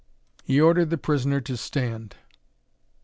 He ordered the prisoner to stand.